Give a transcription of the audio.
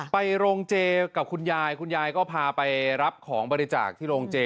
ไปโรงเจกับคุณยายคุณยายก็พาไปรับของบริจาคที่โรงเจ